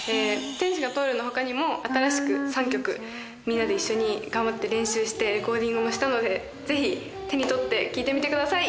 「天使が通る」の他にも新しく３曲みんなで一緒に頑張って練習してレコーディングもしたのでぜひ手に取って聴いてみてください